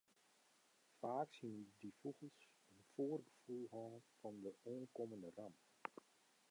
Faaks hiene dy fûgels in foargefoel hân fan de oankommende ramp.